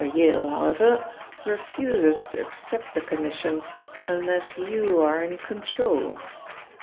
Yale, however, refuses to accept the commission unless you are in control.